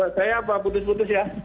bapak saya apa putus putus ya